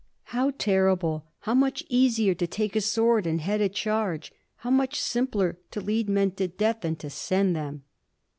How terrible! How much easier to take a sword and head a charge! How much simpler to lead men to death than to send them!